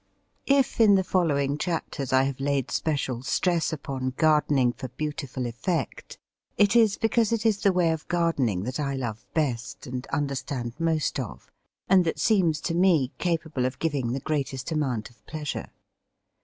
If in the following chapters I have laid special stress upon gardening for beautiful effect, it is because it is the way of gardening that I love best, and understand most of, and that seems to me capable of giving the greatest amount of pleasure.